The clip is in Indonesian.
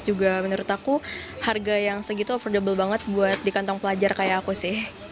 juga menurut aku harga yang segitu affordable banget buat di kantong pelajar kayak aku sih